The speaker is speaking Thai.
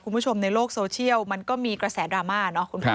คุณผู้ชมในโลกโซเชียลมันก็มีกระแสดราม่าเนาะ